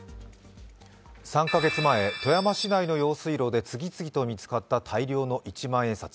３か月前富山市内の用水路で次々と見つかった大量の一万円札。